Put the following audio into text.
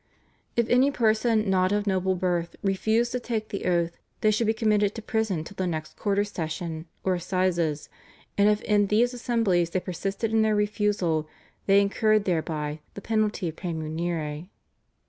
If any persons not of noble birth refused to take the oath they should be committed to prison till the next quarter sessions or assizes, and if in these assemblies they persisted in their refusal they incurred thereby the penalty of Praemunire.